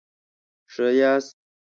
ښه یاست؟